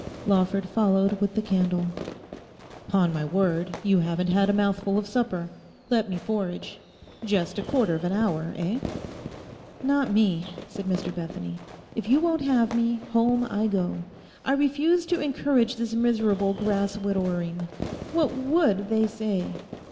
Lawford followed with the candle. ''Pon my word, you haven't had a mouthful of supper. Let me forage; just a quarter of an hour, eh?' 'Not me,' said Mr Bethany; 'if you won't have me, home I go. I refuse to encourage this miserable grass widowering. What would they say?